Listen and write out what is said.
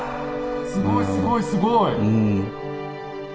すごいすごいすごい！